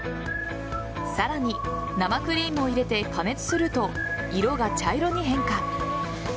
さらに生クリームを入れて加熱すると色が茶色に変化。